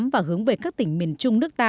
và hướng về các tỉnh miền trung nước ta